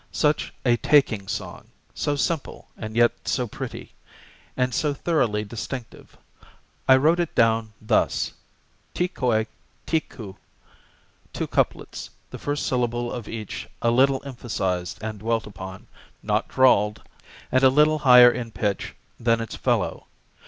Such a taking song; so simple, and yet so pretty, and so thoroughly distinctive. I wrote it down thus: tee koi, tee koo, two couplets, the first syllable of each a little emphasized and dwelt upon, not drawled, and a little higher in pitch than its fellow.